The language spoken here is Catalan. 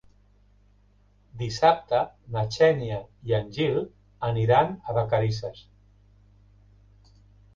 Dissabte na Xènia i en Gil aniran a Vacarisses.